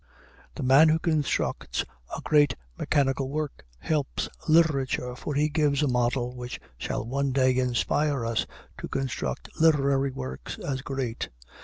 The man who constructs a great mechanical work helps literature, for he gives a model which shall one day inspire us to construct literary works as great.